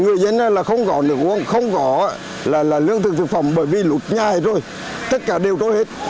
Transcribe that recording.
người dân không có nước uống không có lương thực thực phẩm bởi vì lụt nhai rồi tất cả đều trôi hết